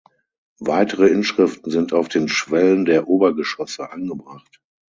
Weitere Inschriften sind auf den Schwellen der Obergeschosse angebracht.